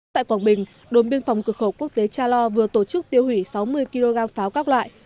tại quảng bình đồn biên phòng cửa khẩu quốc tế cha lo vừa tổ chức tiêu hủy sáu mươi kg pháo các loại